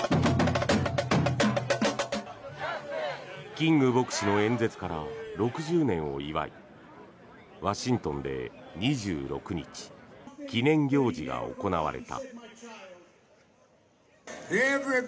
キング牧師の演説から６０年を祝いワシントンで２６日記念行事が行われた。